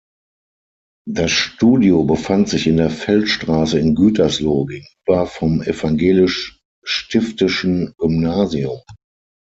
Das Studio befand sich in der Feldstraße in Gütersloh, gegenüber vom Evangelisch Stiftischen Gymnasium.